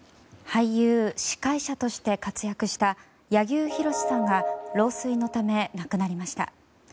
俳優、司会者として活躍した柳生博さんが老衰のため亡くなりました。